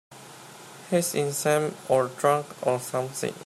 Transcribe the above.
He's insane or drunk or something.